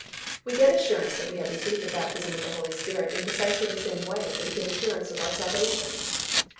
We get assurance that we have received the baptism with the Holy Spirit in precisely the same way that we get assurance of our salvation.